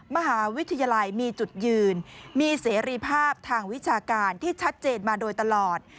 มหาวิทยาลัยมีจุดยืนมีเสรีภาพทางวิชาการที่ชัดเจนมาโดยตลอด